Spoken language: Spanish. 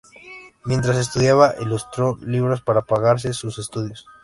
Mientras estudiaba, ilustró libros para pagarse sus estudios.